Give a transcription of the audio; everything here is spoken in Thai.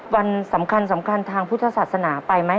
วันสำคัญทางพุทธศาสนาไปไหม